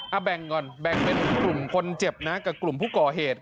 เอาแบ่งก่อนแบ่งเป็นกลุ่มคนเจ็บนะกับกลุ่มผู้ก่อเหตุ